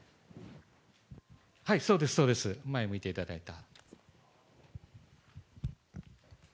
そうです、そうです、前向いていただいた。